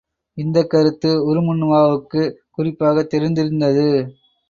இந்தக் கருத்து உருமண்ணுவாவுக்குக் குறிப்பாகத் தெரிந்திருந்தது.